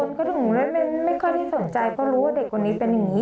คนก็ถึงไม่ค่อยได้สนใจเพราะรู้ว่าเด็กคนนี้เป็นอย่างนี้